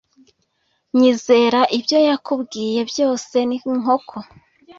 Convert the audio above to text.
Nyizera, ibyo yakubwiye byose ni inkoko.